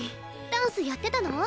ダンスやってたの？